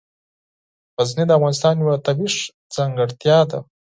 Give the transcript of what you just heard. غزني د افغانستان یوه طبیعي ځانګړتیا ده.